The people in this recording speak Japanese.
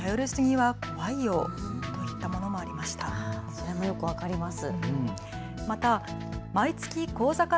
こちらもよく分かります。